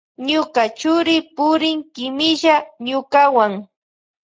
Ñuka churi purin kimilla ñukawan.